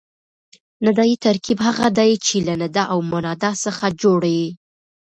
ندایي ترکیب هغه دئ، چي له ندا او منادا څخه جوړ يي.